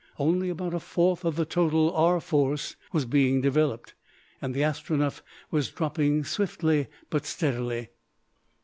Only about a fourth of the total R. Force was being developed, and the Astronef was dropping swiftly, but steadily.